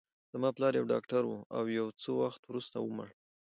زما پلار یو ډاکټر و، او یو څه وخت وروسته ومړ.